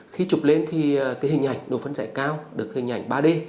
khi chụp lên thì cái hình ảnh đồ phấn dạy cao được hình ảnh ba d